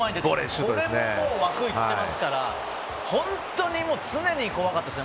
これも枠行っていますから本当に常に怖かったです。